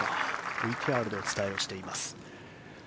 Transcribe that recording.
ＶＴＲでお伝えしています。